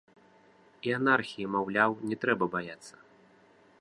І анархіі, маўляў, не трэба баяцца!